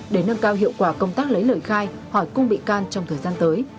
để nâng cao hiệu quả công tác lấy lời khai hỏi cung bị can trong thời gian tới